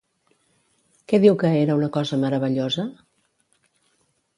Què diu que era una cosa meravellosa?